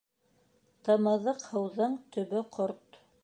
Тымыҙыҡ һыуҙың төбө ҡорт.